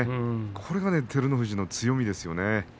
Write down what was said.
これが照ノ富士の強みですよね。